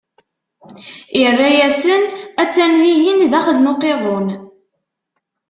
Irra-yasen: a-tt-an dihin, daxel n uqiḍun.